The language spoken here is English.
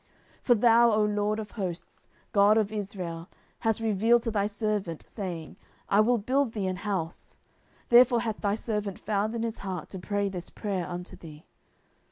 10:007:027 For thou, O LORD of hosts, God of Israel, hast revealed to thy servant, saying, I will build thee an house: therefore hath thy servant found in his heart to pray this prayer unto thee.